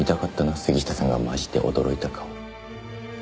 杉下さんがマジで驚いた顔。